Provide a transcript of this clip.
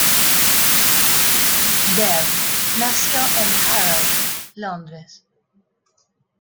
Dev nació en Harrow, Londres.